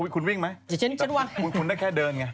คุณวิ่งไหมคุณได้แค่เดินไง